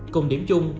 cùng điểm chung